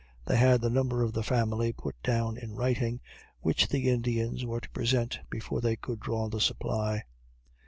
They had the number of the family put down in writing, which the Indians were to present before they could draw the supply.